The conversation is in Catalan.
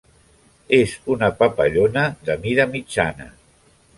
És una papallona de mida mitjana.